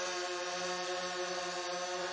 เวียนหัวไม่มาหรอกลูกไม่มาหรอกลูกไม่มาหรอก